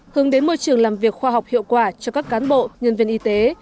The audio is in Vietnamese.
hướng đến môi trường làm việc khoa học hiệu quả cho các cán bộ nhân viên y tế